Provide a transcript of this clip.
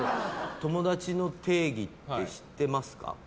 友達の定義って知ってますか？